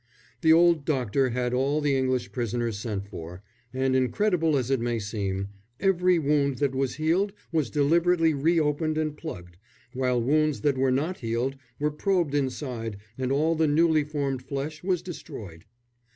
The old doctor had all the English prisoners sent for, and incredible as it may seem, every wound that was healed was deliberately reopened and plugged, while wounds that were not healed were probed inside and all the newly formed flesh was destroyed.